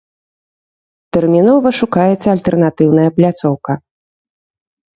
Тэрмінова шукаецца альтэрнатыўная пляцоўка.